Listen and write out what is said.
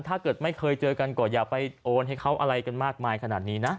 ถ้าเกิดไม่เคยเจอกันก็อย่าไปโอนให้เขาอะไรกันมากมายขนาดนี้นะ